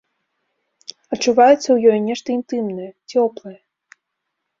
Адчуваецца ў ёй нешта інтымнае, цёплае.